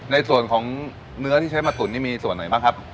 ในส่วนของเนื้อที่ใช้มาตุ๋นนี่มีส่วนไหนบ้างครับ